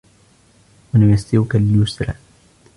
ونيسرك لليسرى